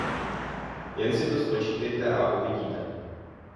Jen si to spočítejte a uvidíte.